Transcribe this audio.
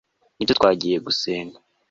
nibyo twagiye gusenga